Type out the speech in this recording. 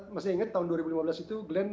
masih ingat tahun dua ribu lima belas itu glenn